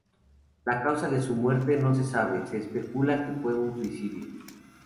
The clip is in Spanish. La causa de su muerte no se sabe, se especula que fue un suicidio.